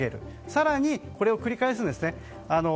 更に、これを繰り返すんです。